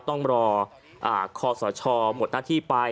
ต้องรอคอสชหมดหน้าที่ไป